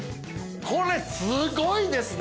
これすごいですね。